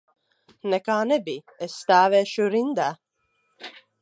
Nekā nebija, es stāvēšu rindā.